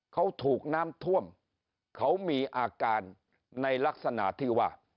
เขาถูกน้ำท่วมเขามีอาการในลักษณะที่ว่า